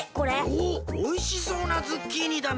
おおおいしそうなズッキーニだな。